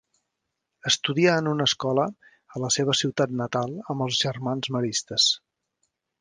Estudià en una escola a la seva ciutat natal amb els Germans Maristes.